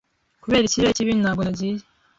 Kubera ikirere kibi, ntabwo nagiye.